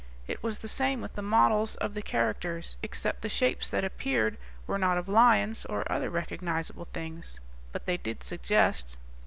It was the same with the models of the characters, except the shapes that appeared were not of lions or other recognizable things. But they did suggest."